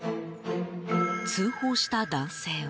通報した男性は。